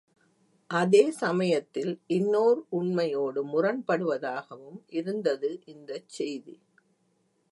அதே சமயத்தில் இன்னோர் உண்மையோடு முரண்படுவதாகவும் இருந்தது இந்தச் செய்தி.